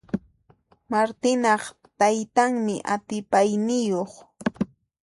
Martinaq taytanmi atipayniyuq.